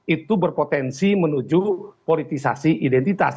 itu berpotensi menuju politisasi identitas